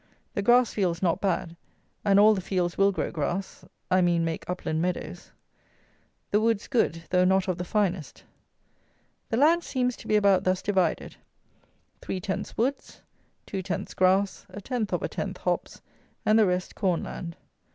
The grass fields not bad, and all the fields will grow grass; I mean make upland meadows. The woods good, though not of the finest. The land seems to be about thus divided: 3 tenths woods, 2 tenths grass, a tenth of a tenth hops, and the rest corn land.